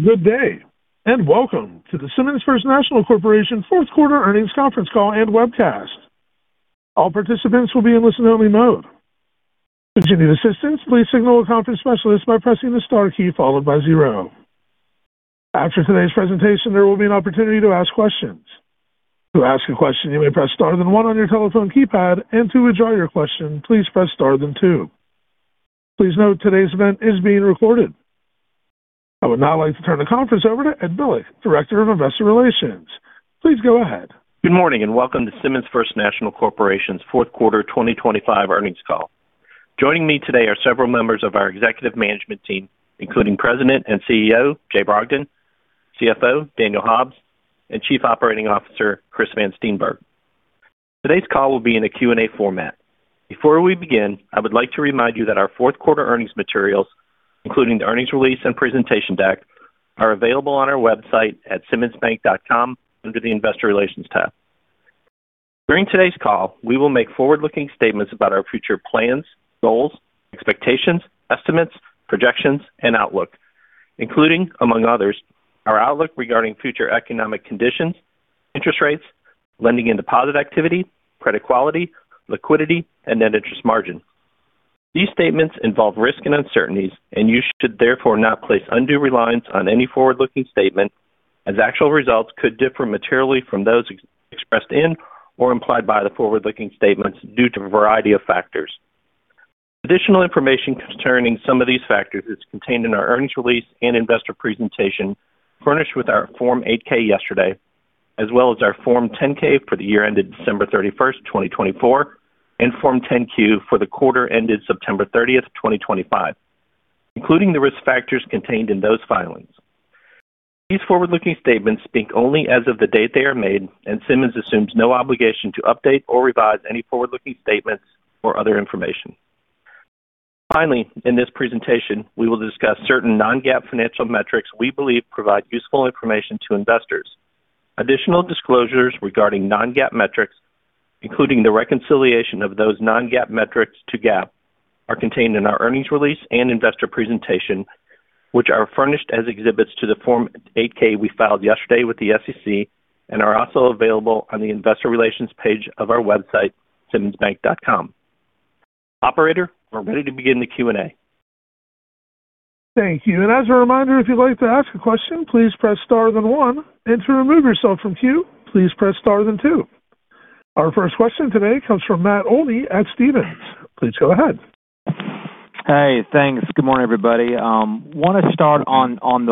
Good day, and welcome to the Simmons First National Corporation Q4 Earnings Conference Call and Webcast. All participants will be in listen-only mode. To get assistance, please signal a conference specialist by pressing the star key followed by zero. After today's presentation, there will be an opportunity to ask questions. To ask a question, you may press star then one on your telephone keypad, and to withdraw your question, please press star then two. Please note today's event is being recorded. I would now like to turn the conference over to Ed Bilek, Director of Investor Relations. Please go ahead. Good morning, and welcome to Simmons First National Corporation's Q4 2025 Earnings Call. Joining me today are several members of our Executive Management team, including President and CEO Jay Brogdon, CFO Daniel Hobbs, and COO Chris Van Steenberg. Today's call will be in a Q&A format. Before we begin, I would like to remind you that our Q4 Earnings materials, including the earnings release and presentation deck, are available on our website at simmonsbank.com under the Investor Relations tab. During today's call, we will make forward-looking statements about our future plans, goals, expectations, estimates, projections, and outlook, including, among others, our outlook regarding future economic conditions, interest rates, lending and deposit activity, credit quality, liquidity, and net interest margin. These statements involve risk and uncertainties, and you should therefore not place undue reliance on any forward-looking statement, as actual results could differ materially from those expressed in or implied by the forward-looking statements due to a variety of factors. Additional information concerning some of these factors is contained in our earnings release and investor presentation furnished with our Form 8-K yesterday, as well as our Form 10-K for the year ended December 31st, 2024, and Form 10-Q for the quarter ended September 30th, 2025, including the risk factors contained in those filings. These forward-looking statements speak only as of the date they are made, and Simmons assumes no obligation to update or revise any forward-looking statements or other information. Finally, in this presentation, we will discuss certain non-GAAP financial metrics we believe provide useful information to investors. Additional disclosures regarding non-GAAP metrics, including the reconciliation of those non-GAAP metrics to GAAP, are contained in our earnings release and investor presentation, which are furnished as exhibits to the Form 8-K we filed yesterday with the SEC and are also available on the Investor Relations page of our website, simmonsbank.com. Operator, we're ready to begin the Q&A. Thank you, and as a reminder, if you'd like to ask a question, please press star then one. To remove yourself from queue, please press star then two. Our first question today comes from Matt Olney at Stephens. Please go ahead. Hey, thanks. Good morning, everybody. Want to start on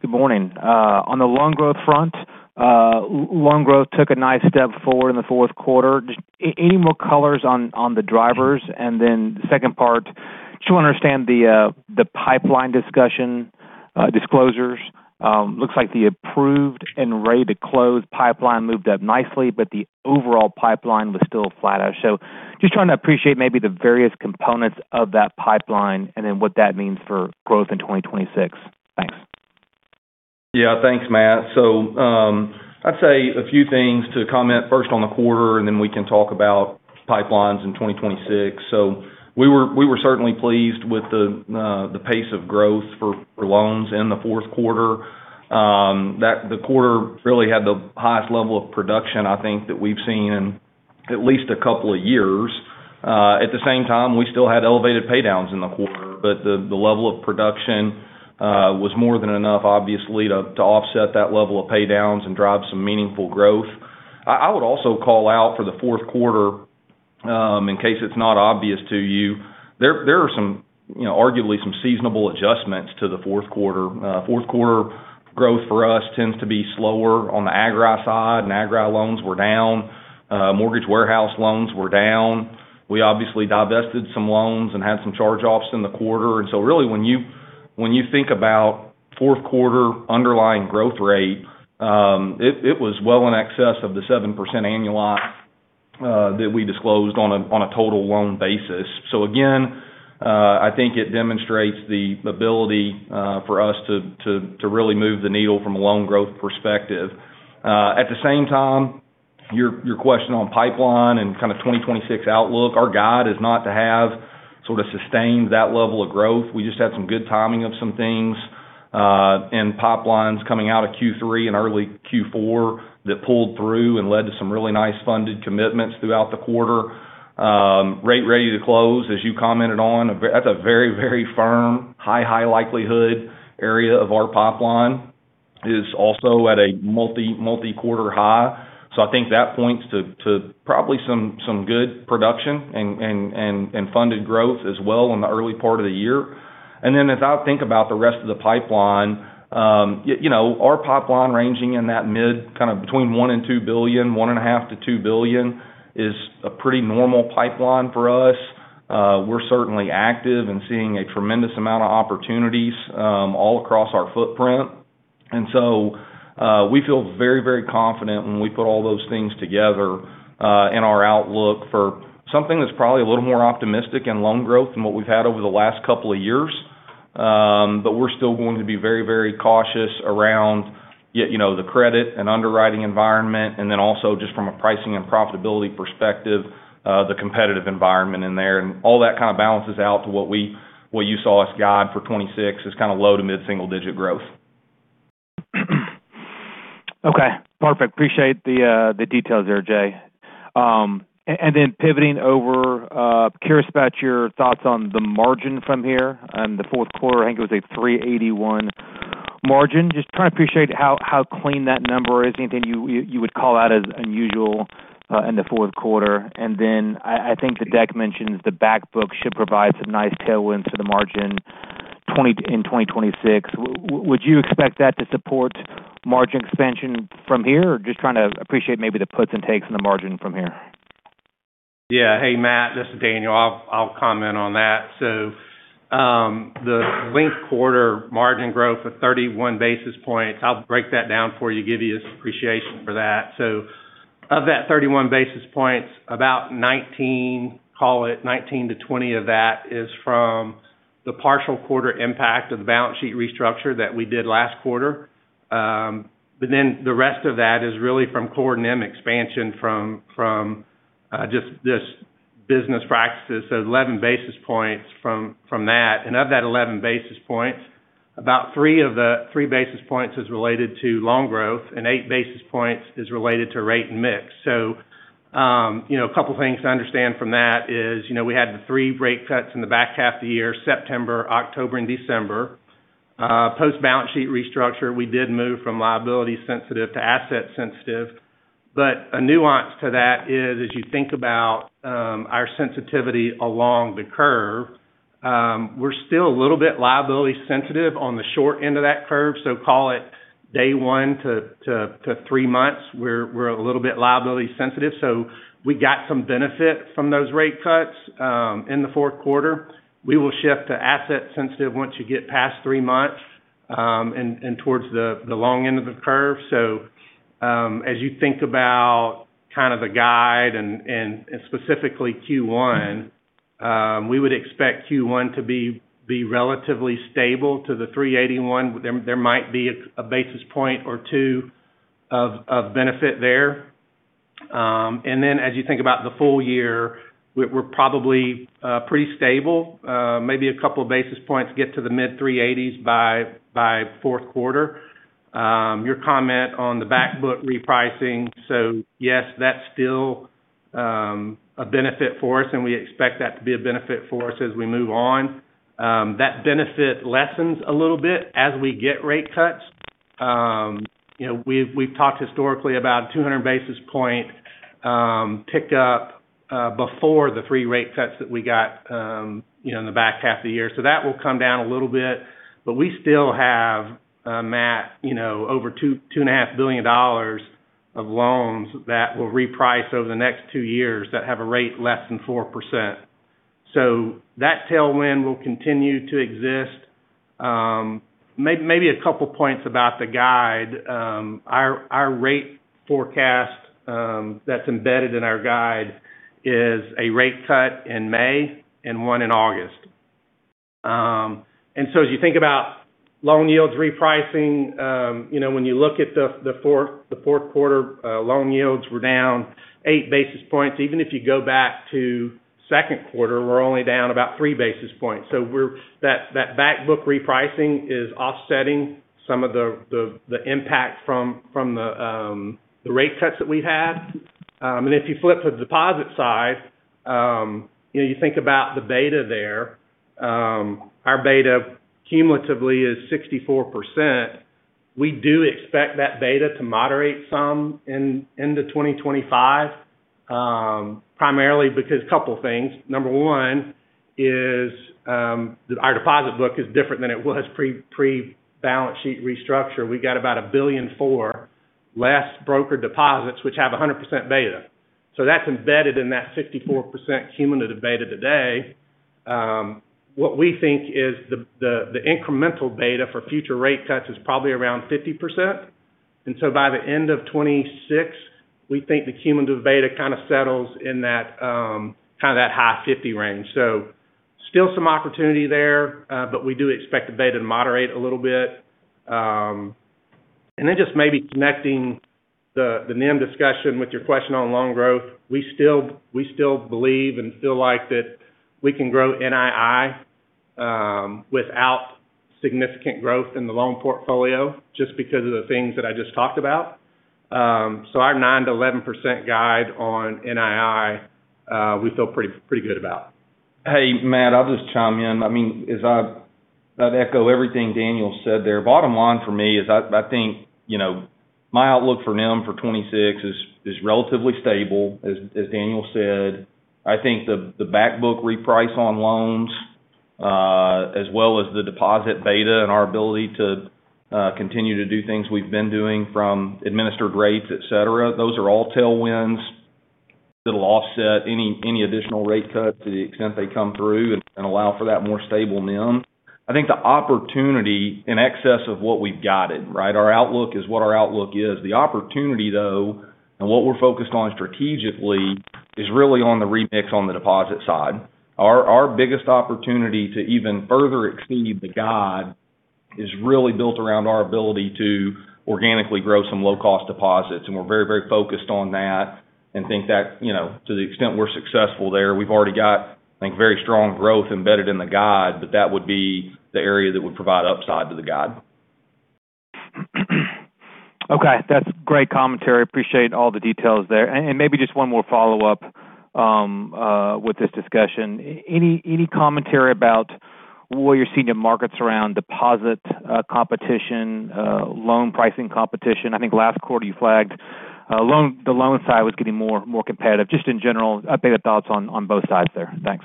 the loan growth front, loan growth took a nice step forward in the Q4. Any more colors on the drivers? And then the second part, I just want to understand the pipeline discussion, disclosures. Looks like the approved and ready to close pipeline moved up nicely, but the overall pipeline was still flat out. So just trying to appreciate maybe the various components of that pipeline and then what that means for growth in 2026. Thanks. Yeah, thanks, Matt. I'd say a few things to comment first on the quarter, and then we can talk about pipelines in 2026. We were certainly pleased with the pace of growth for loans in the Q4. That quarter really had the highest level of production, I think, that we've seen in at least a couple of years. At the same time, we still had elevated paydowns in the quarter, but the level of production was more than enough, obviously, to offset that level of paydowns and drive some meaningful growth. I would also call out for the Q4, in case it's not obvious to you. There are some, you know, arguably some seasonal adjustments to the Q4. Q4 growth for us tends to be slower on the Agri side, and Agri loans were down. Mortgage Warehouse loans were down. We obviously divested some loans and had some charge-offs in the quarter. So really, when you think about Q4 underlying growth rate, it was well in excess of the 7% annualized that we disclosed on a total loan basis. So again, I think it demonstrates the ability for us to really move the needle from a loan growth perspective. At the same time, your question on pipeline and kind of 2026 outlook, our guide is not to have sort of sustained that level of growth. We just had some good timing of some things, and pipelines coming out of Q3 and early Q4 that pulled through and led to some really nice funded commitments throughout the quarter. Rates ready to close, as you commented on, that's a very, very firm, high, high likelihood area of our pipeline is also at a multi, multi-quarter high. So I think that points to probably some good production and funded growth as well in the early part of the year. Then as I think about the rest of the pipeline, you know, our pipeline ranging in that mid kind of between $1 billion-$2 billion, $1.5 billion-$2 billion is a pretty normal pipeline for us. We're certainly active and seeing a tremendous amount of opportunities, all across our footprint. So, we feel very, very confident when we put all those things together, in our outlook for something that's probably a little more optimistic in loan growth than what we've had over the last couple of years. But we're still going to be very, very cautious around, you know, the credit and underwriting environment, and then also just from a pricing and profitability perspective, the competitive environment in there. All that kind of balances out to what we, what you saw as guide for 2026 is kind of low-to-mid single-digit growth. Okay. Perfect. Appreciate the details there, Jay, and then pivoting over, curious about your thoughts on the margin from here and the Q4. I think it was a 381 margin. Just trying to appreciate how clean that number is. Anything you would call out as unusual in the Q4, and then I think the deck mentions the backbook should provide some nice tailwinds to the margin in 2026. Would you expect that to support margin expansion from here? Just trying to appreciate maybe the puts and takes on the margin from here. Yeah. Hey, Matt, this is Daniel. I'll comment on that. So, the linked quarter margin growth of 31 basis points, I'll break that down for you, give you appreciation for that. So of that 31 basis points, about 19 basis points, call it 19-20 basis points of that is from the partial quarter impact of the balance sheet restructure that we did last quarter. But then the rest of that is really from core NIM expansion from just business practices. So 11 basis points from that and of that 11 basis points, about 3 basis points is related to loan growth, and 8 basis points is related to rate and mix. So, you know, a couple of things to understand from that is, you know, we had the three rate cuts in the back half of the year, September, October, and December. Post-balance sheet restructure, we did move from liability sensitive to asset sensitive. But a nuance to that is, as you think about our sensitivity along the curve, we're still a little bit liability sensitive on the short end of that curve. So call it day one to three months, we're a little bit liability sensitive. So we got some benefit from those rate cuts in the Q4. We will shift to asset sensitive once you get past three months and towards the long end of the curve. So, as you think about kind of the guide and specifically Q1, we would expect Q1 to be relatively stable to the 381. There might be a basis point or two of benefit there and then as you think about the full year, we're probably pretty stable. Maybe a couple of basis points get to the mid-380s by Q4. Your comment on the backbook repricing, so yes, that's still a benefit for us, and we expect that to be a benefit for us as we move on. That benefit lessens a little bit as we get rate cuts. You know, we've talked historically about 200 basis point pickup before the three rate cuts that we got, you know, in the back half of the year. So that will come down a little bit, but we still have, Matt, you know, over $2 billion-$2.5 billion of loans that will reprice over the next two years that have a rate less than 4%. So that tailwind will continue to exist. Maybe a couple points about the guide. Our rate forecast, that's embedded in our guide, is a rate cut in May and one in August, and so as you think about loan yields repricing, you know, when you look at the Q4, loan yields were down eight basis points. Even if you go back to Q2, we're only down about 3 basis points, so that backbook repricing is offsetting some of the impact from the rate cuts that we've had, and if you flip to the deposit side, you know, you think about the beta there, our beta cumulatively is 64%. We do expect that beta to moderate some in 2025, primarily because a couple of things. Number one is, our deposit book is different than it was pre-balance sheet restructure. We got about $1.4 billion less brokered deposits, which have 100% beta. So that's embedded in that 64% cumulative beta today. What we think is the incremental beta for future rate cuts is probably around 50%. And so by the end of 2026, we think the cumulative beta kind of settles in that, kind of that high 50 range. So still some opportunity there, but we do expect the beta to moderate a little bit. Then just maybe connecting the NIM discussion with your question on loan growth, we still, we still believe and feel like that we can grow NII, without significant growth in the loan portfolio just because of the things that I just talked about. Our 9%-11% guide on NII, we feel pretty, pretty good about. Hey, Matt, I'll just chime in. I mean, as I, I'd echo everything Daniel said there. Bottom line for me is I think, you know, my outlook for NIM for 2026 is relatively stable, as Daniel said. I think the backbook reprice on loans, as well as the deposit beta and our ability to continue to do things we've been doing from administered rates, et cetera, those are all tailwinds that'll offset any additional rate cuts to the extent they come through and allow for that more stable NIM. I think the opportunity in excess of what we've got it, right? Our outlook is what our outlook is. The opportunity though, and what we're focused on strategically is really on the remix on the deposit side. Our biggest opportunity to even further exceed the guide is really built around our ability to organically grow some low-cost deposits, and we're very, very focused on that and think that, you know, to the extent we're successful there, we've already got, I think, very strong growth embedded in the guide, but that would be the area that would provide upside to the guide. Okay. That's great commentary. Appreciate all the details there. And maybe just one more follow-up with this discussion. Any commentary about what you're seeing in markets around deposit competition, loan pricing competition? I think last quarter you flagged loan the loan side was getting more competitive. Just in general, I'll take the thoughts on both sides there. Thanks.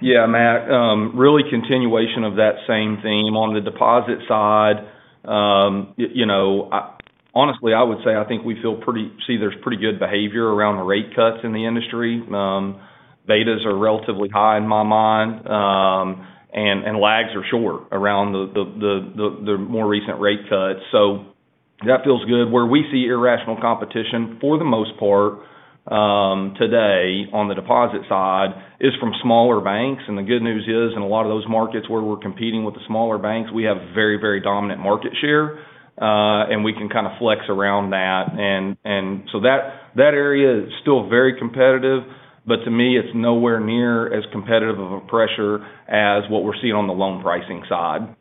Yeah, Matt, really continuation of that same theme on the deposit side. You know, I honestly, I would say I think we feel pretty, see there's pretty good behavior around the rate cuts in the industry. Betas are relatively high in my mind, and lags are short around the more recent rate cuts. So that feels good. Where we see irrational competition for the most part, today on the deposit side is from smaller banks. The good news is, in a lot of those markets where we're competing with the smaller banks, we have very, very dominant market share, and we can kind of flex around that. So that area is still very competitive, but to me, it's nowhere near as competitive of a pressure as what we're seeing on the loan pricing side.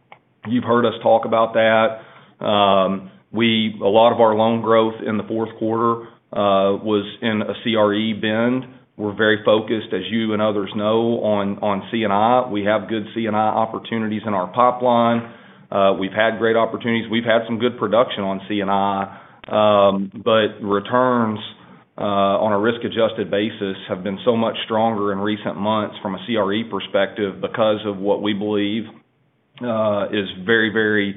You've heard us talk about that. We, a lot of our loan growth in the Q4 was in a CRE blend. We're very focused, as you and others know, on C&I. We have good C&I opportunities in our pipeline. We've had great opportunities. We've had some good production on C&I, but returns on a risk-adjusted basis have been so much stronger in recent months from a CRE perspective because of what we believe is very, very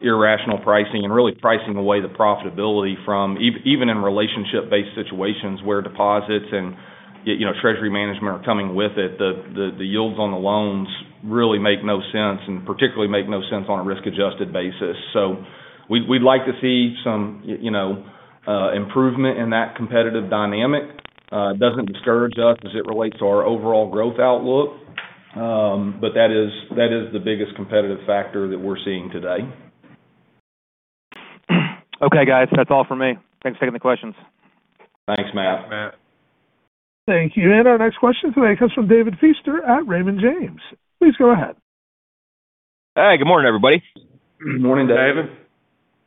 irrational pricing and really pricing away the profitability from even, even in relationship-based situations where deposits and, you know, treasury management are coming with it, the yields on the loans really make no sense and particularly make no sense on a risk-adjusted basis. So we'd like to see some, you know, improvement in that competitive dynamic. It doesn't discourage us as it relates to our overall growth outlook, but that is the biggest competitive factor that we're seeing today. Okay, guys, that's all for me. Thanks for taking the questions. Thanks, Matt. Thank you. Our next question today comes from David Feaster at Raymond James. Please go ahead. Hey, good morning, everybody. Good morning, David.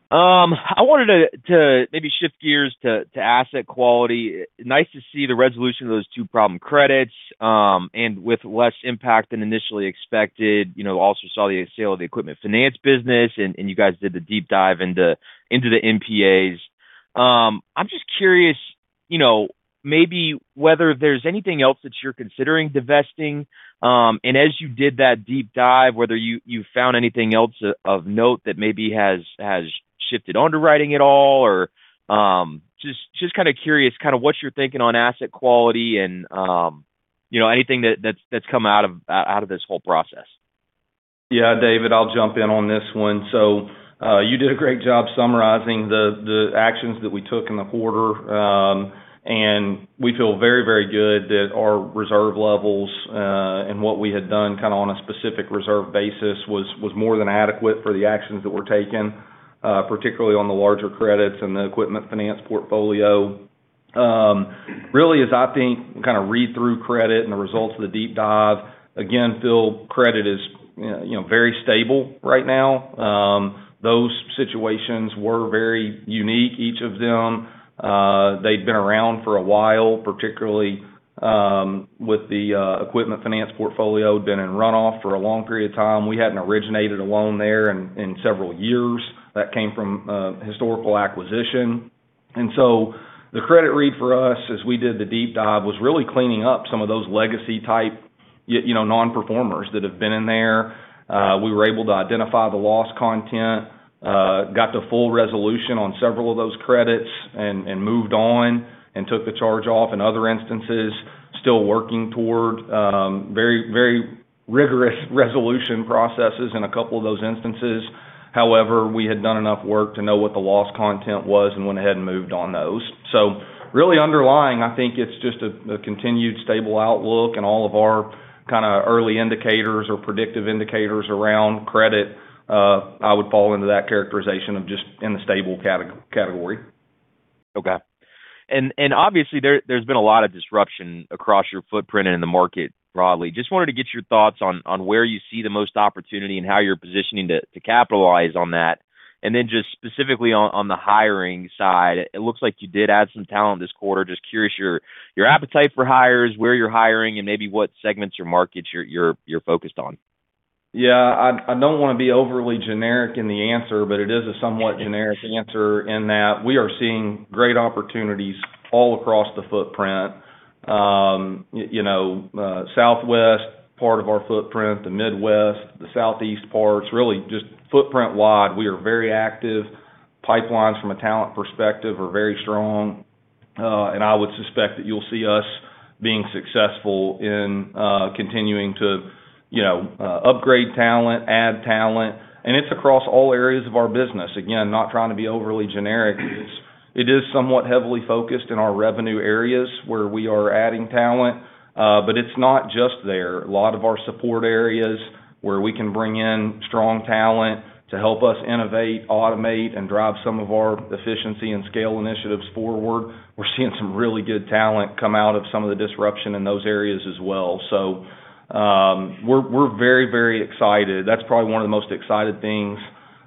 I wanted to maybe shift gears to asset quality. Nice to see the resolution of those two problem credits, and with less impact than initially expected. You know, also saw the sale of the Equipment Finance business, and you guys did the deep dive into the NPAs. I'm just curious, you know, maybe whether there's anything else that you're considering divesting and as you did that deep dive, whether you found anything else of note that maybe has shifted underwriting at all, or just kind of curious kind of what you're thinking on asset quality and, you know, anything that's come out of this whole process. Yeah, David, I'll jump in on this one. So, you did a great job summarizing the actions that we took in the quarter, and we feel very, very good that our reserve levels, and what we had done kind of on a specific reserve basis was more than adequate for the actions that were taken, particularly on the larger credits and the Equipment Finance portfolio. Really, as I think, kind of read through credit and the results of the deep dive, again, feel credit is, you know, very stable right now. Those situations were very unique, each of them. They'd been around for a while, particularly with the Equipment Finance portfolio had been in runoff for a long period of time. We hadn't originated a loan there in several years. That came from historical acquisition. And so the credit read for us, as we did the deep dive, was really cleaning up some of those legacy-type, you know, non-performers that have been in there. We were able to identify the loss content, got the full resolution on several of those credits and moved on and took the charge off in other instances, still working toward very, very rigorous resolution processes in a couple of those instances. However, we had done enough work to know what the loss content was and went ahead and moved on those. So really underlying, I think it's just a continued stable outlook and all of our kind of early indicators or predictive indicators around credit. I would fall into that characterization of just in the stable category. Okay and obviously there's been a lot of disruption across your footprint and in the market broadly. Just wanted to get your thoughts on where you see the most opportunity and how you're positioning to capitalize on that? And then just specifically on the hiring side, it looks like you did add some talent this quarter. Just curious your appetite for hires, where you're hiring, and maybe what segments or markets you're focused on. Yeah, I don't want to be overly generic in the answer, but it is a somewhat generic answer in that we are seeing great opportunities all across the footprint. You know, southwest part of our footprint, the midwest, the southeast parts, really just footprint wide, we are very active. Pipelines from a talent perspective are very strong and I would suspect that you'll see us being successful in continuing to, you know, upgrade talent, add talent. Tt's across all areas of our business. Again, not trying to be overly generic. It is somewhat heavily focused in our revenue areas where we are adding talent, but it's not just there. A lot of our support areas where we can bring in strong talent to help us innovate, automate, and drive some of our efficiency and scale initiatives forward. We're seeing some really good talent come out of some of the disruption in those areas as well. So, we're, we're very, very excited. That's probably one of the most excited things,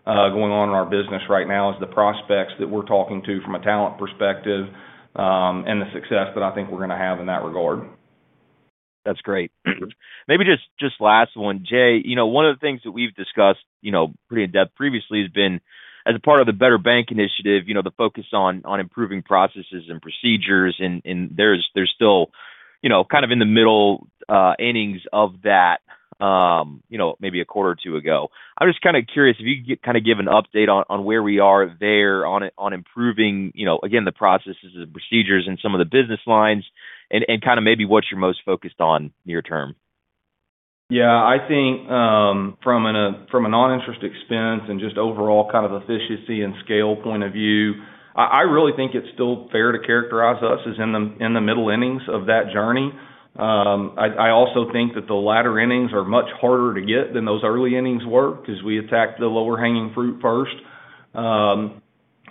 going on in our business right now is the prospects that we're talking to from a talent perspective, and the success that I think we're going to have in that regard. That's great. Maybe just last one, Jay, you know, one of the things that we've discussed, you know, pretty in depth previously has been as a part of the Better Bank initiative, you know, the focus on improving processes and procedures. There's still, you know, kind of in the middle innings of that, you know, maybe a quarter or two ago. I'm just kind of curious if you could kind of give an update on where we are there on improving, you know, again, the processes and procedures and some of the business lines and kind of maybe what you're most focused on near term? Yeah, I think from a non-interest expense and just overall kind of efficiency and scale point of view, I really think it's still fair to characterize us as in the middle innings of that journey. I also think that the latter innings are much harder to get than those early innings were because we attacked the lower hanging fruit first.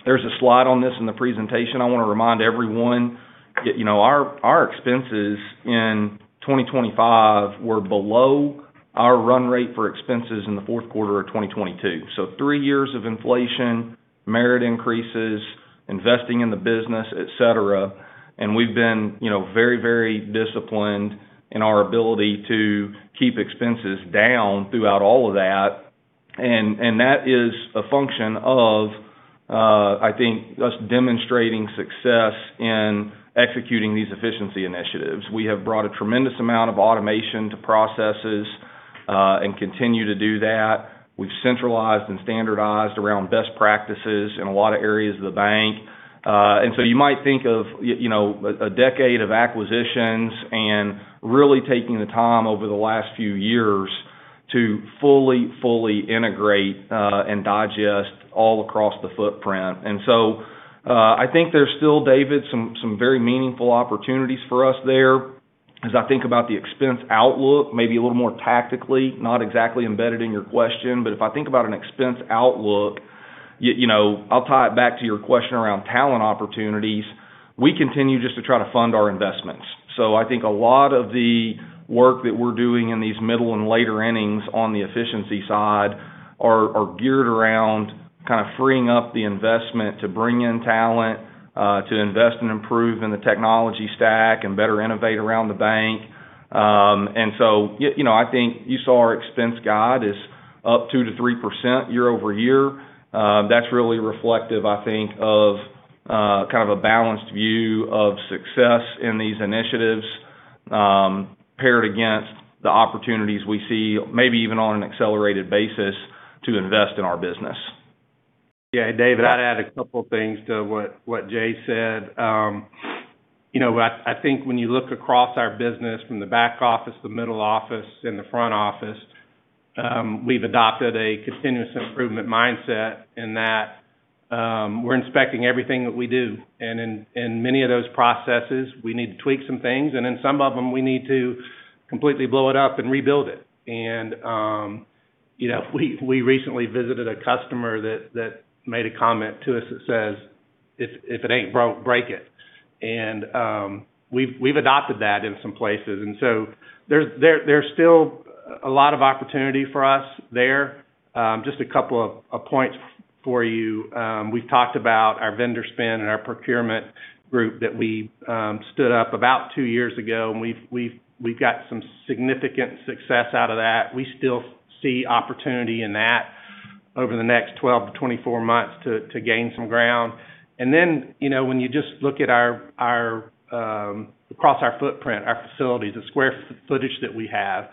There's a slide on this in the presentation. I want to remind everyone, you know, our expenses in 2025 were below our run rate for expenses in the Q4 of 2022. So three years of inflation, merit increases, investing in the business, et cetera. And that is a function of, I think us demonstrating success in executing these efficiency initiatives. We have brought a tremendous amount of automation to processes, and continue to do that. We've centralized and standardized around best practices in a lot of areas of the bank. And so you might think of, you know, a decade of acquisitions and really taking the time over the last few years to fully integrate, and digest all across the footprint. So, I think there's still, David, some very meaningful opportunities for us there as I think about the expense outlook, maybe a little more tactically, not exactly embedded in your question. But if I think about an expense outlook, you, you know, I'll tie it back to your question around talent opportunities. We continue just to try to fund our investments. So I think a lot of the work that we're doing in these middle and later innings on the efficiency side are geared around kind of freeing up the investment to bring in talent, to invest and improve in the technology stack and better innovate around the bank. So, you know, I think you saw our expense guide is up 2%-3% year-over-year. That's really reflective, I think, of, kind of a balanced view of success in these initiatives, paired against the opportunities we see, maybe even on an accelerated basis, to invest in our business. Yeah, David, I'd add a couple of things to what Jay said. You know, I think when you look across our business from the back office, the middle office, and the front office, we've adopted a continuous improvement mindset in that, we're inspecting everything that we do. In many of those processes, we need to tweak some things, and in some of them, we need to completely blow it up and rebuild it. You know, we recently visited a customer that made a comment to us that says, "If it ain't broke, break it." We've adopted that in some places. So there's still a lot of opportunity for us there. Just a couple of points for you. We've talked about our vendor spend and our procurement group that we stood up about two years ago, and we've got some significant success out of that. We still see opportunity in that over the next 12-24 months to gain some ground. Then, you know, when you just look across our footprint, our facilities, the square footage that we have,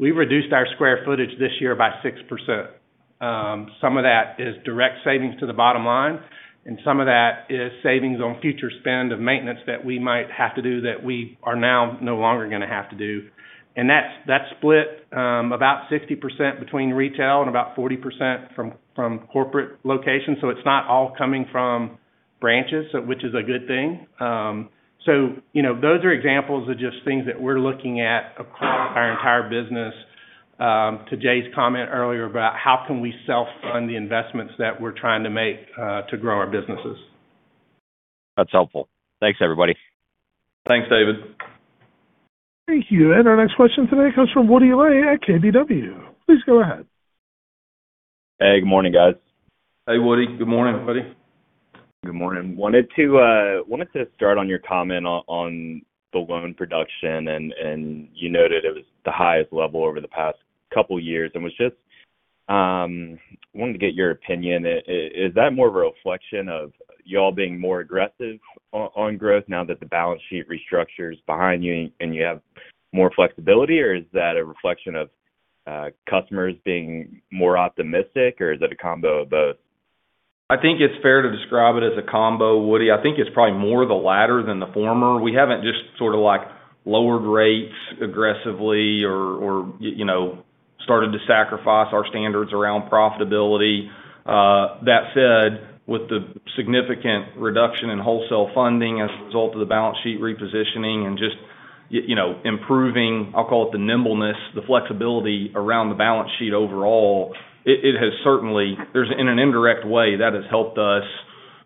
we've reduced our square footage this year by 6%. Some of that is direct savings to the bottom line, and some of that is savings on future spend of maintenance that we might have to do that we are now no longer going to have to do. That's split about 60% between Retail and about 40% from Corporate location. It's not all coming from branches, which is a good thing. You know, those are examples of just things that we're looking at across our entire business, to Jay's comment earlier about how can we self-fund the investments that we're trying to make, to grow our businesses. That's helpful. Thanks, everybody. Thanks, David. Thank you. And our next question today comes from Woody Lay at KBW. Please go ahead. Hey, good morning, guys. Hey, Woody. Good morning, everybody. Good morning. I wanted to start on your comment on the loan production, and you noted it was the highest level over the past couple of years. I just wanted to get your opinion. Is that more of a reflection of y'all being more aggressive on growth now that the balance sheet restructure is behind you and you have more flexibility, or is that a reflection of customers being more optimistic, or is it a combo of both? I think it's fair to describe it as a combo, Woody. I think it's probably more the latter than the former. We haven't just sort of like lowered rates aggressively or you know, started to sacrifice our standards around profitability. That said, with the significant reduction in wholesale funding as a result of the balance sheet repositioning and just you know, improving, I'll call it the nimbleness, the flexibility around the balance sheet overall, it has certainly. There's in an indirect way that has helped us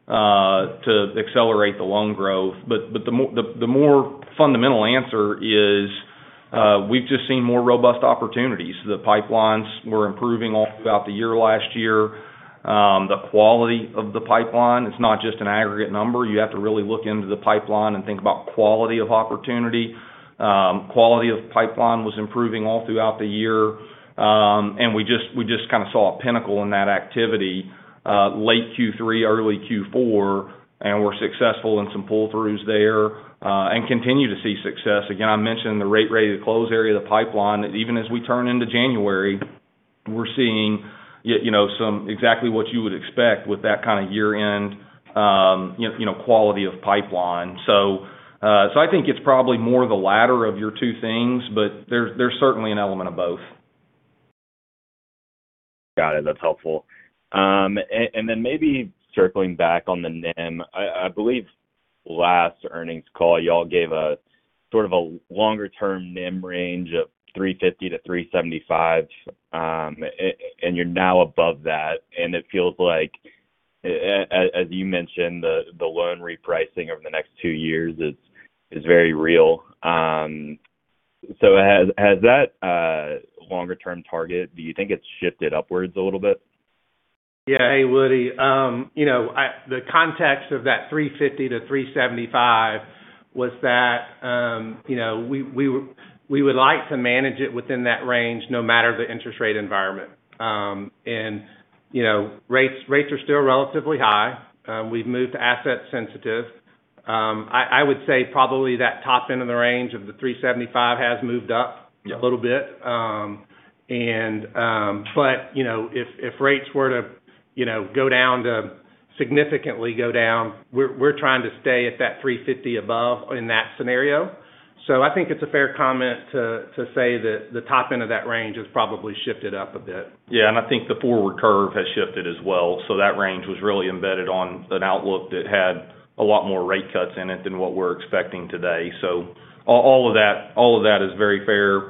to accelerate the loan growth. But the more fundamental answer is, we've just seen more robust opportunities. The pipelines were improving all throughout the year last year. The quality of the pipeline, it's not just an aggregate number. You have to really look into the pipeline and think about quality of opportunity. Quality of pipeline was improving all throughout the year, and we just, we just kind of saw a pinnacle in that activity, late Q3, early Q4, and we're successful in some pull-throughs there, and continue to see success. Again, I mentioned the rate-ready to close area of the pipeline. Even as we turn into January, we're seeing, you know, some exactly what you would expect with that kind of year-end, you know, quality of pipeline. So, so I think it's probably more the latter of your two things, but there's, there's certainly an element of both. Got it. That's helpful, and then maybe circling back on the NIM, I believe last earnings call, y'all gave a sort of a longer-term NIM range of 350-375, and you're now above that and it feels like, as you mentioned, the loan repricing over the next two years is very real. So has that longer-term target, do you think it's shifted upwards a little bit? Yeah. Hey, Woody, you know, in the context of that 350-375 was that, you know, we would like to manage it within that range no matter the interest rate environment and, you know, rates are still relatively high. We've moved to asset-sensitive. I would say probably that top end of the range of the 375 has moved up a little bit and, but, you know, if rates were to, you know, go down significantly, we're trying to stay at that 350 or above in that scenario. So I think it's a fair comment to say that the top end of that range has probably shifted up a bit. Yeah and I think the forward curve has shifted as well. That range was really embedded in an outlook that had a lot more rate cuts in it than what we're expecting today. So all of that is very fair,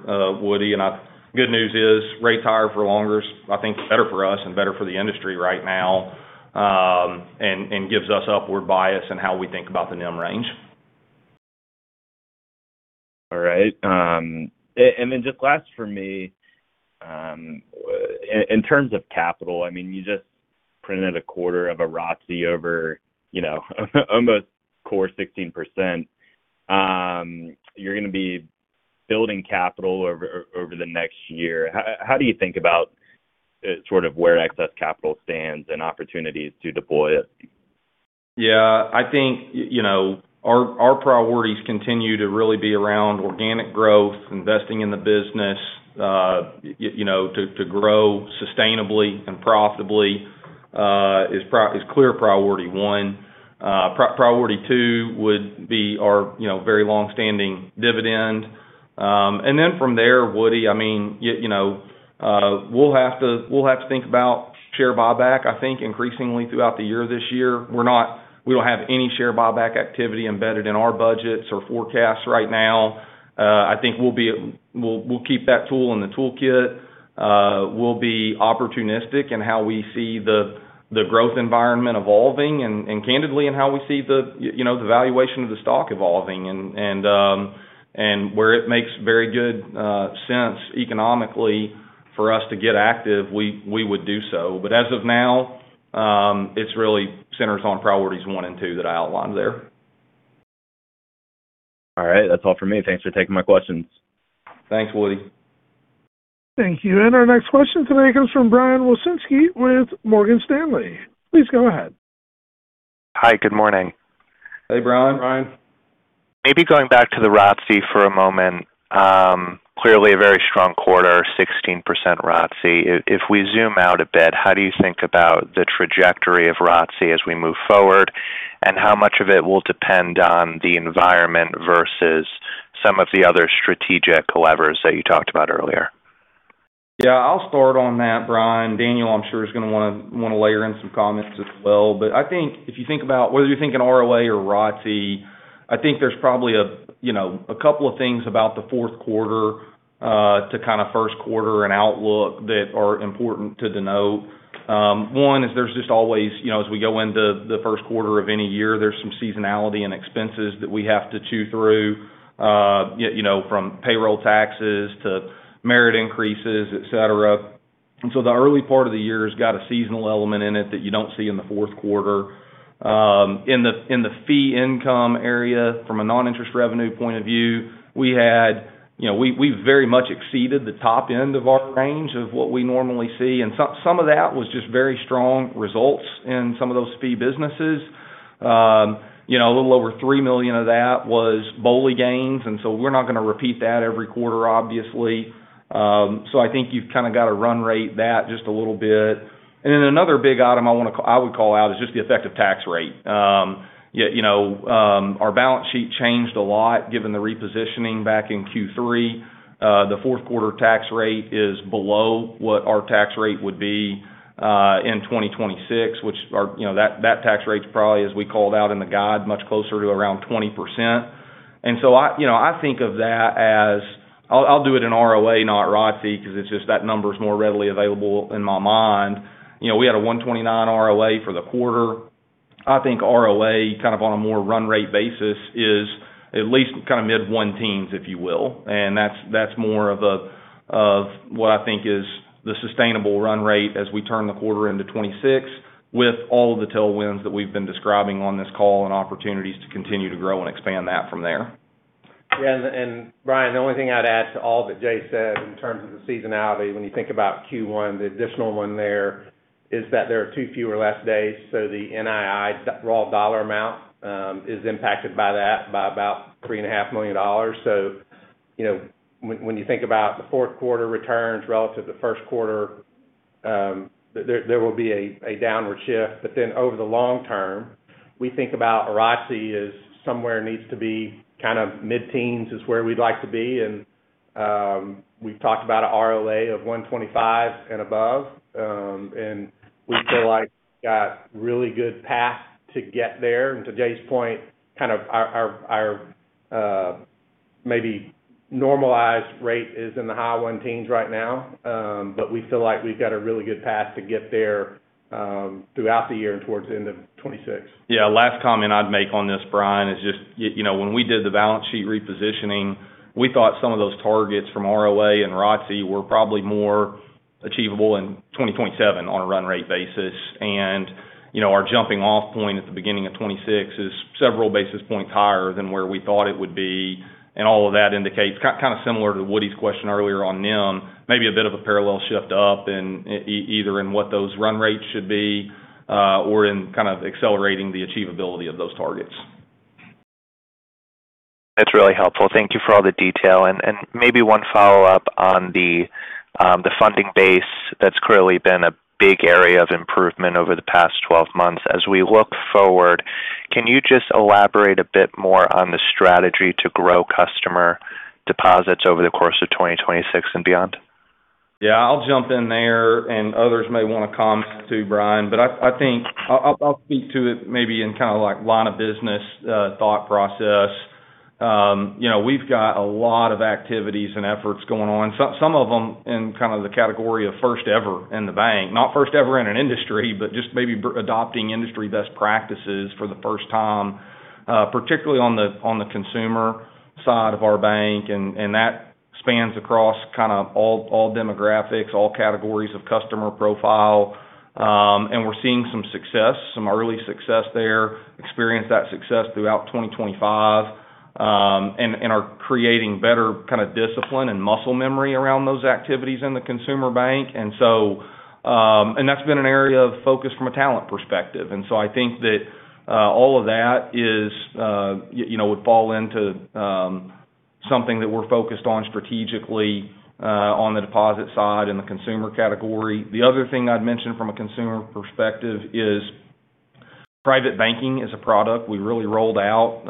Woody. And the good news is rates higher for longer. I think [it's] better for us and better for the industry right now, and gives us upward bias in how we think about the NIM range. All right. Then just last for me, in terms of capital, I mean, you just printed a quarter of a ROTC over, you know, almost core 16%. You're going to be building capital over the next year. How do you think about, sort of where excess capital stands and opportunities to deploy it? Yeah. I think, you know, our priorities continue to really be around organic growth, investing in the business, you know, to grow sustainably and profitably. It is our clear priority one. Priority two would be our, you know, very long-standing dividend. Then from there, Woody, I mean, you know, we'll have to think about share buyback, I think, increasingly throughout the year this year. We're not. We don't have any share buyback activity embedded in our budgets or forecasts right now. I think we'll be. We'll keep that tool in the toolkit. We'll be opportunistic in how we see the growth environment evolving and candidly in how we see the, you know, the valuation of the stock evolving. Where it makes very good sense economically for us to get active, we would do so. But as of now, it's really centers on priorities one and two that I outlined there. All right. That's all for me. Thanks for taking my questions. Thanks, Woody. Thank you and our next question today comes from Brian Wilczynski with Morgan Stanley. Please go ahead. Hi, good morning. Hey, Brian. Brian. Maybe going back to the ROTC for a moment. Clearly a very strong quarter, 16% ROTC. If we zoom out a bit, how do you think about the trajectory of ROTC as we move forward and how much of it will depend on the environment versus some of the other strategic levers that you talked about earlier? Yeah. I'll start on that, Brian. Daniel, I'm sure is going to want to layer in some comments as well. But I think if you think about whether you think in ROA or ROTC, I think there's probably a, you know, a couple of things about the Q4, to kind of Q1 and outlook that are important to denote. One is there's just always, you know, as we go into the Q1 of any year, there's some seasonality and expenses that we have to chew through, you know, from payroll taxes to merit increases, et cetera. And so the early part of the year has got a seasonal element in it that you don't see in the Q4. In the fee income area from a non-interest revenue point of view, we had, you know, we've very much exceeded the top end of our range of what we normally see, and some of that was just very strong results in some of those fee businesses. You know, a little over $3 million of that was BOLI gains, and so we're not going to repeat that every quarter, obviously, so I think you've kind of got to run rate that just a little bit, and then another big item I want to, I would call out is just the effective tax rate. You know, our balance sheet changed a lot given the repositioning back in Q3. The Q4 tax rate is below what our tax rate would be in 2026, which are, you know, that, that tax rate's probably, as we called out in the guide, much closer to around 20%. And so I, you know, I think of that as, I'll, I'll do it in ROA, not ROTC, because it's just that number's more readily available in my mind. You know, we had a 129 ROA for the quarter. I think ROA kind of on a more run rate basis is at least kind of mid one teens, if you will. And that's, that's more of a, of what I think is the sustainable run rate as we turn the quarter into 2026 with all of the tailwinds that we've been describing on this call and opportunities to continue to grow and expand that from there. Yeah. Brian, the only thing I'd add to all that Jay said in terms of the seasonality, when you think about Q1, the additional one there is that there are two fewer days. So the NII raw dollar amount is impacted by that by about $3.5 million. So, you know, when you think about the Q4 returns relative to the Q1, there will be a downward shift. But then over the long term, we think about ROTC as somewhere it needs to be kind of mid teens is where we'd like to be. We've talked about an ROA of 125 and above. We feel like we've got really good path to get there. And to Jay's point, kind of our maybe normalized rate is in the high teens right now. But we feel like we've got a really good path to get there, throughout the year and towards the end of 2026. Yeah. Last comment I'd make on this, Brian, is just, you know, when we did the balance sheet repositioning, we thought some of those targets from ROA and ROTC were probably more achievable in 2027 on a run rate basis. You know, our jumping off point at the beginning of 2026 is several basis points higher than where we thought it would be and all of that indicates kind of similar to Woody's question earlier on NIM, maybe a bit of a parallel shift up in either in what those run rates should be, or in kind of accelerating the achievability of those targets. That's really helpful. Thank you for all the detail and maybe one follow-up on the funding base that's clearly been a big area of improvement over the past 12 months. As we look forward, can you just elaborate a bit more on the strategy to grow customer deposits over the course of 2026 and beyond? Yeah. I'll jump in there, and others may want to come to Brian, but I think I'll speak to it maybe in kind of like line of business thought process, you know. We've got a lot of activities and efforts going on, some of them in kind of the category of first ever in the bank, not first ever in an industry, but just maybe adopting industry best practices for the first time, particularly on the consumer side of our bank, and that spans across kind of all demographics, all categories of customer profile, and we're seeing some success, some early success there, experience that success throughout 2025, and are creating better kind of discipline and muscle memory around those activities in the Consumer Bank, so that's been an area of focus from a talent perspective. And so I think that, all of that is, you know, would fall into, something that we're focused on strategically, on the deposit side and the consumer category. The other thing I'd mentioned from a consumer perspective is private banking is a product we really rolled out,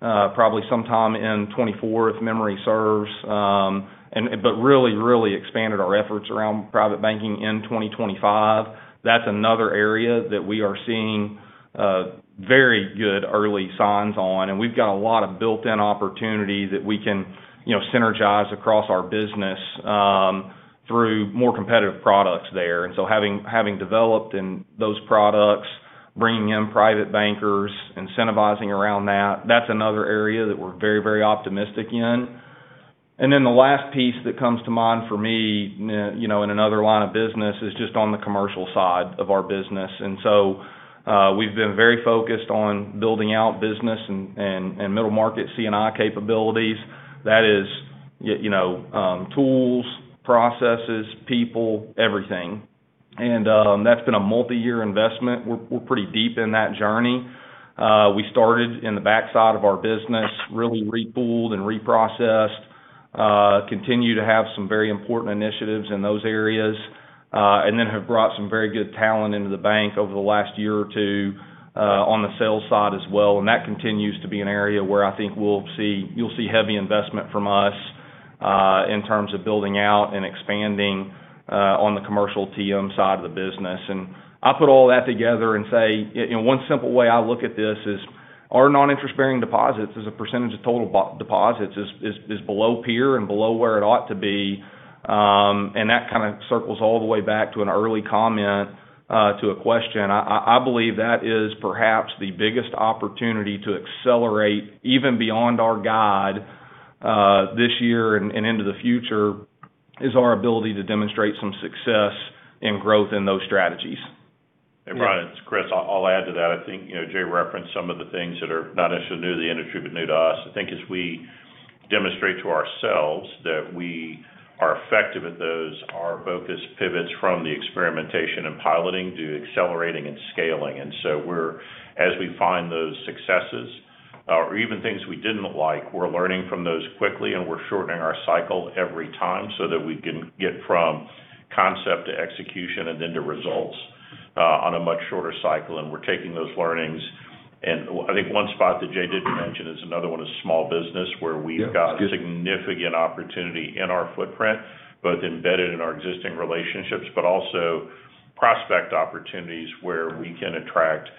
probably sometime in 2024, if memory serves. But really, really expanded our efforts around private banking in 2025. That's another area that we are seeing, very good early signs on and we've got a lot of built-in opportunity that we can, you know, synergize across our business, through more competitive products there. So having developed in those products, bringing in private bankers, incentivizing around that, that's another area that we're very, very optimistic in. And then the last piece that comes to mind for me, you know, in another line of business is just on the commercial side of our business. We've been very focused on building out business and middle market C&I capabilities. That is, you know, tools, processes, people, everything. That's been a multi-year investment. We're pretty deep in that journey. We started in the backside of our business, really repooled and reprocessed, continue to have some very important initiatives in those areas, and then have brought some very good talent into the bank over the last year or two, on the sales side as well. That continues to be an area where I think we'll see, you'll see heavy investment from us, in terms of building out and expanding, on the commercial TM side of the business. And I put all that together and say, you know, one simple way I look at this is our non-interest-bearing deposits as a percentage of total deposits is below peer and below where it ought to be, and that kind of circles all the way back to an early comment, to a question. I believe that is perhaps the biggest opportunity to accelerate even beyond our guide, this year and into the future is our ability to demonstrate some success and growth in those strategies. Hey, Brian, it's Chris. I'll add to that. I think, you know, Jay referenced some of the things that are not necessarily new to the industry, but new to us. I think as we demonstrate to ourselves that we are effective at those, our focus pivots from the experimentation and piloting to accelerating and scaling. And so we're, as we find those successes, or even things we didn't like, we're learning from those quickly and we're shortening our cycle every time so that we can get from concept to execution and then to results, on a much shorter cycle. And we're taking those learnings. And I think one spot that Jay didn't mention is another one, small business where we've got significant opportunity in our footprint, both embedded in our existing relationships, but also prospect opportunities where we can attract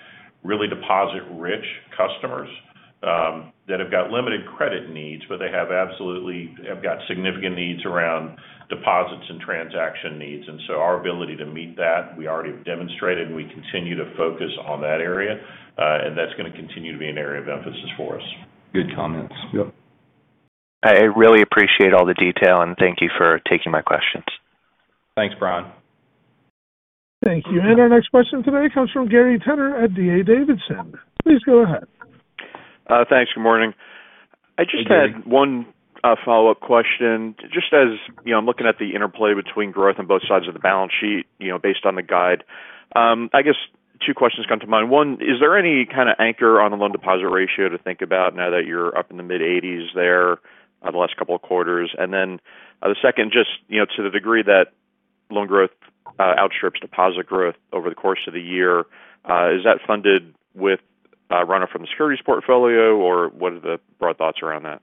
really deposit-rich customers, that have got limited credit needs, but they have absolutely got significant needs around deposits and transaction needs. So our ability to meet that, we already have demonstrated and we continue to focus on that area and that's going to continue to be an area of emphasis for us. Good comments. Yep. I really appreciate all the detail and thank you for taking my questions. Thanks, Brian. Thank you and our next question today comes from Gary Tenner at DA Davidson. Please go ahead. Thanks. Good morning. I just had one follow-up question. Just as, you know, I'm looking at the interplay between growth on both sides of the balance sheet, you know, based on the guide. I guess two questions come to mind. One, is there any kind of anchor on the loan deposit ratio to think about now that you're up in the mid 80s there the last couple of quarters? And then, the second, just, you know, to the degree that loan growth outstrips deposit growth over the course of the year, is that funded with runoff from the securities portfolio or what are the broad thoughts around that?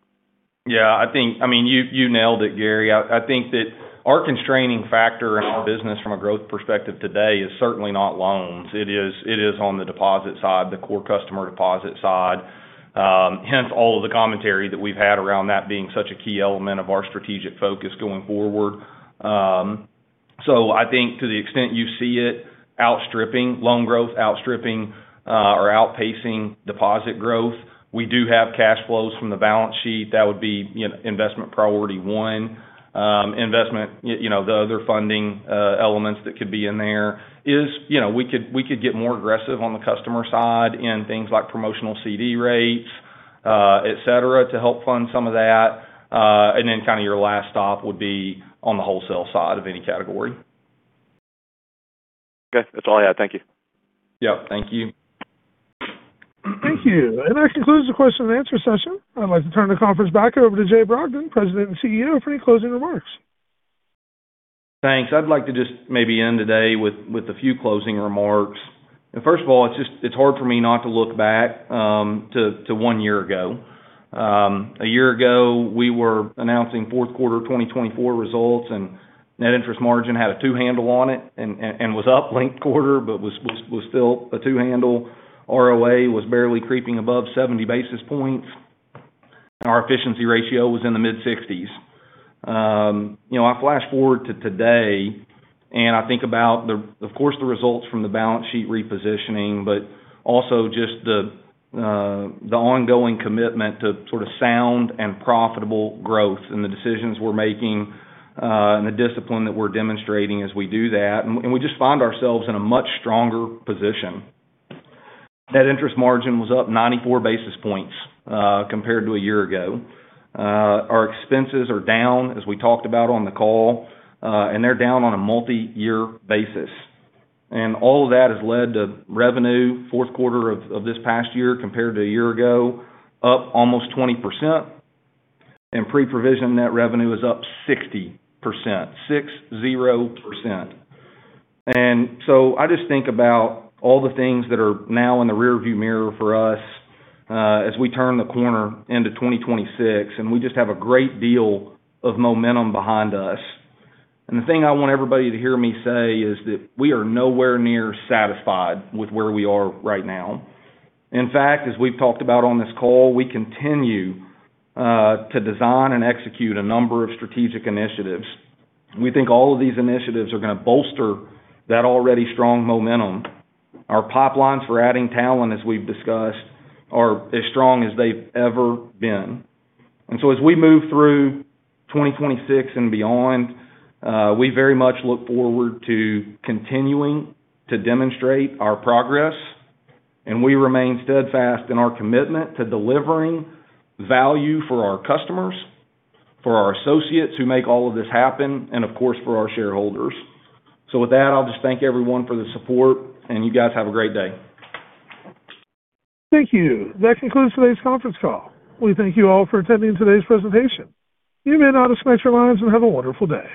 Yeah. I think, I mean, you, you nailed it, Gary. I, I think that our constraining factor in our business from a growth perspective today is certainly not loans, It is, it is on the deposit side, the core customer deposit side. Hence all of the commentary that we've had around that being such a key element of our strategic focus going forward, so I think to the extent you see it outstripping loan growth, outstripping, or outpacing deposit growth, we do have cash flows from the balance sheet. That would be, you know, investment priority one, investment, you know, the other funding, elements that could be in there is, you know, we could, we could get more aggressive on the customer side in things like promotional CD rates, et cetera to help fund some of that. Then kind of your last stop would be on the wholesale side of any category. Okay. That's all I had. Thank you. Yep. Thank you. Thank you. And that concludes the question and answer session. I'd like to turn the conference back over to Jay Brogdon, President and CEO, for any closing remarks. Thanks. I'd like to just maybe end today with a few closing remarks. First of all, it's just hard for me not to look back to one year ago. A year ago, we were announcing Q4 2024 results and net interest margin had a two handle on it and was up, linked quarter, but was still a two handle. ROA was barely creeping above 70 basis points. Our efficiency ratio was in the mid-60s. You know, I flash forward to today and I think about, of course, the results from the balance sheet repositioning, but also just the ongoing commitment to sort of sound and profitable growth and the decisions we're making, and the discipline that we're demonstrating as we do that. We just find ourselves in a much stronger position. Net interest margin was up 94 basis points, compared to a year ago. Our expenses are down, as we talked about on the call, and they're down on a multi-year basis and all of that has led to revenue Q4 of, of this past year compared to a year ago, up almost 20%. Pre-Provision Net Revenue is up 60%, 60% and so I just think about all the things that are now in the rearview mirror for us, as we turn the corner into 2026, and we just have a great deal of momentum behind us. The thing I want everybody to hear me say is that we are nowhere near satisfied with where we are right now. In fact, as we've talked about on this call, we continue to design and execute a number of strategic initiatives. We think all of these initiatives are going to bolster that already strong momentum. Our pipelines for adding talent, as we've discussed, are as strong as they've ever been. So as we move through 2026 and beyond, we very much look forward to continuing to demonstrate our progress and we remain steadfast in our commitment to delivering value for our customers, for our associates who make all of this happen, and of course, for our shareholders. So with that, I'll just thank everyone for the support, and you guys have a great day. Thank you. That concludes today's conference call. We thank you all for attending today's presentation. You may now disconnect your lines and have a wonderful day.